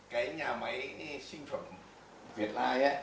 cái nhà máy sinh phẩm việt lai á